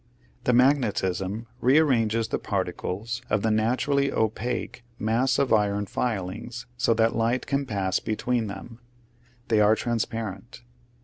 The magnetism rearranges the par ticles of the naturally opaque mass of iron filings so that light can pass between them: they are transparent.